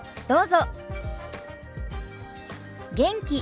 どうぞ。